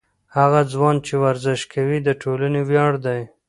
هغه ځوان چې ورزش کوي، د ټولنې ویاړ دی.